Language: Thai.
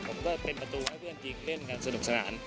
ผมก็เป็นประตูให้เพื่อนยิงเล่นกันสนุกสนาน